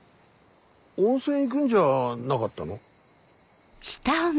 温泉行くんじゃなかったの？